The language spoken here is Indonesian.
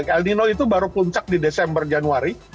el nino itu baru puncak di desember januari